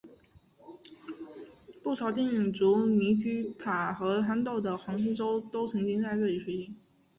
不少电影如尼基塔和憨豆的黄金周都曾经在这里取景。